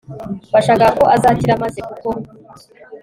washakaga ko azakira, maze kuko